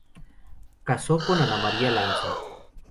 Casó con Ana María Lanza.